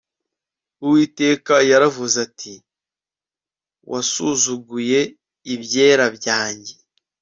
Uwiteka yaravuze ati Wasuzuguye ibyera byanjye